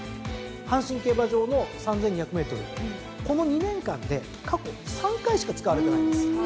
阪神競馬場の３，２００ｍこの２年間で過去３回しか使われてないんです。